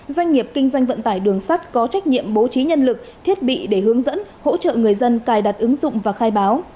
doanh nghiệp kinh doanh vận tải đường sắt có trách nhiệm bố trí nhân lực thiết bị để hướng dẫn hỗ trợ người dân cài đặt ứng dụng và khai báo